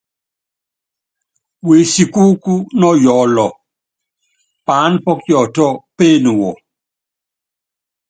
Wesikúúkú nɔ Yɔɔlɔ, paána pɔ́ Kiɔtiɔ péene wɔ.